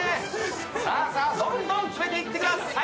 さあさあどんどん詰めていってください。